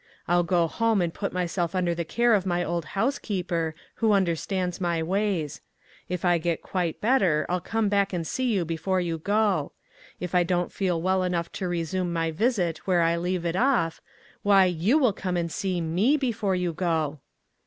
I'll go home and put myself under the care of my old housekeeper, who understands my ways. If I get quite better, I'll come back and see you before you go. If I don't feel well enough to resume my visit where I leave it off, why you will come and see me before you go.